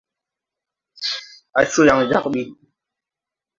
Á coo yaŋ jag ɓi.